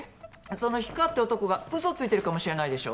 その氷川って男がうそついてるかもしれないでしょ。